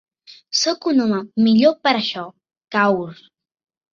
Soc un home millor per això, Kaur.